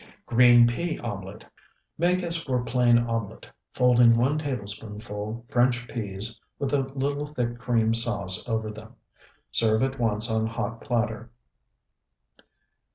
GREEN PEA OMELET Make as for plain omelet, folding one tablespoonful French peas with a little thick cream sauce over them. Serve at once on hot platter.